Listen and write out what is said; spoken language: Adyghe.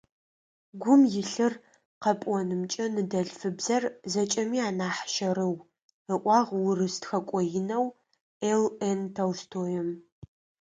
Гум илъыр къэпӏонымкӏэ ныдэлъфыбзэр зэкӏэми анахь щэрыу,- ыӏуагъ урыс тхэкӏо инэу Л.Н. Толстоим.